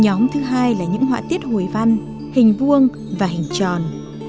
nhóm thứ hai là những họa tiết hồi văn hình vuông và hình tròn